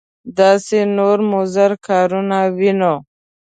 داسې نور مضر کارونه وینو.